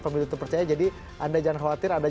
pemilu tepertaya jadi anda jangan khawatir anda